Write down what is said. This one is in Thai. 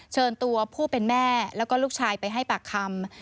เชิญตัวผู้เป็นแม่แล้วก็ลูกชายไปให้ปากคำ